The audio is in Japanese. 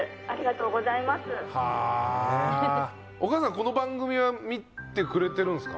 この番組は見てくれてるんですか？